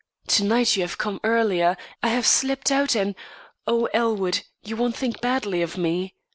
To night you have come earlier, and I have slipped out and O, Elwood, you won't think badly of me?